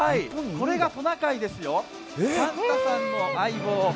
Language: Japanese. これがトナカイですよ、サンタさんの相棒。